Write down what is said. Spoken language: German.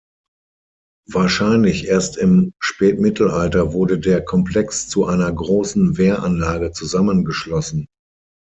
Wahrscheinlich erst im Spätmittelalter wurde der Komplex zu einer großen Wehranlage zusammengeschlossen.